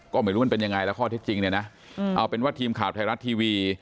ก็ไม่รู้มันเป็นยังไงแล้วข้อเท็จจริงเนี่ยนะเอาเป็นว่าทีมข่าวไทยรัฐทีวี